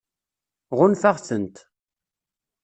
Ɣunfaɣ-tent.